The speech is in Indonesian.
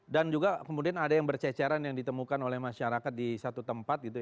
dan juga kemudian ada yang berceceran yang ditemukan oleh masyarakat di satu tempat